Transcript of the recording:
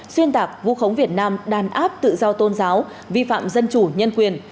xuyên tạc vu khống việt nam đàn áp tự do tôn giáo vi phạm dân chủ nhân quyền